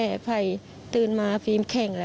อยู่ดีมาตายแบบเปลือยคาห้องน้ำได้ยังไง